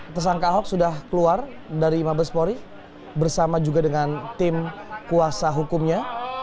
tersangka ahok sudah keluar dari mabespori bersama juga dengan tim kuasa hukumnya